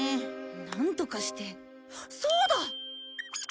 なんとかしてそうだ！